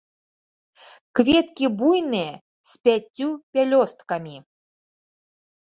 Кветкі буйныя, з пяццю пялёсткамі.